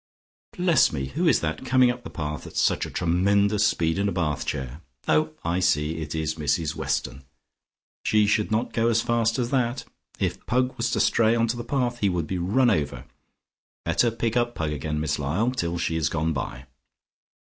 Bless me, who is that coming up the path at such a tremendous speed in a bath chair? Oh, I see, it is Mrs Weston. She should not go as fast as that. If Pug was to stray on to the path he would be run over. Better pick up Pug again, Miss Lyall, till she has gone by.